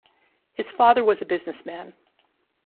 His father was a businessman.